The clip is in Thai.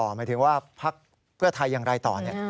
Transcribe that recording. หมายถึงว่าพักเพื่อไทยอย่างไรต่อเนี่ย